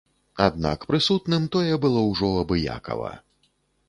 Аднак прысутным тое было ўжо абыякава.